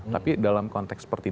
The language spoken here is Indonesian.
tapi dalam konteks seperti